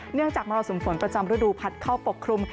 เนื่องจากเมื่อสุ่มฝนประจำฤดูภัฏเข้าปกคลุม